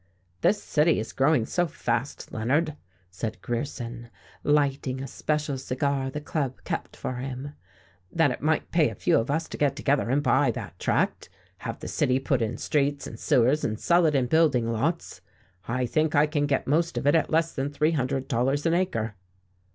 "This city is growing so fast, Leonard," said Grierson, lighting a special cigar the Club kept for him, "that it might pay a few of us to get together and buy that tract, have the city put in streets and sewers and sell it in building lots. I think I can get most of it at less than three hundred dollars an acre."